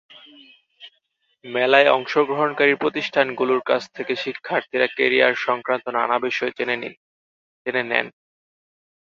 মেলায় অংশগ্রহণকারী প্রতিষ্ঠানগুলোর কাছ থেকে শিক্ষার্থীরা ক্যারিয়ারসংক্রান্ত নানা বিষয়ে জেনে নেন।